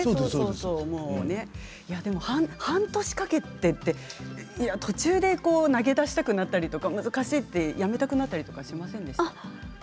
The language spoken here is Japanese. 半年かけてというのは途中で投げ出したくなったりとか難しくてやめたくなったりしませんでしたか？